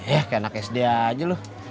eh kayak anak sd aja lo